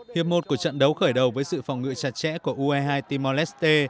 hiệp một của trận đấu khởi đầu với sự phòng ngựa chặt chẽ của ue hai team oleské